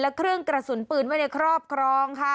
และเครื่องกระสุนปืนไว้ในครอบครองค่ะ